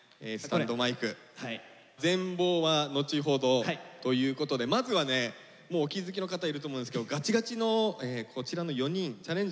全貌は後ほどということでまずはねもうお気付きの方いると思うんですけどガチガチのこちらの４人チャレンジャーを紹介してください。